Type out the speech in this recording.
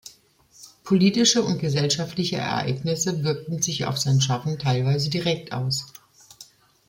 Politische und gesellschaftliche Ereignisse wirkten sich auf sein Schaffen teilweise direkt aus.